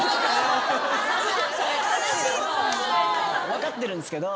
分かってるんですけど。